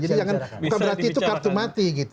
jadi jangan bukan berarti itu kartu mati gitu